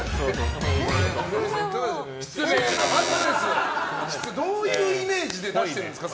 失礼な！×ですよ。どういうイメージで出してるんですか？